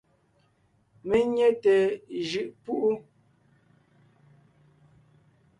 Mé nyé té jʉʼ púʼu.